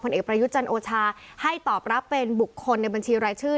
เอกประยุทธ์จันทร์โอชาให้ตอบรับเป็นบุคคลในบัญชีรายชื่อ